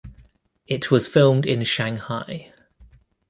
It was filmed in Shanghai.